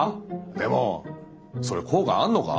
でもそれ効果あんのか？